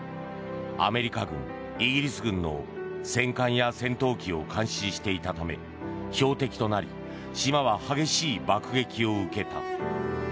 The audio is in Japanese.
アメリカ軍、イギリス軍の戦艦や戦闘機を監視していたため標的となり島は激しい爆撃を受けた。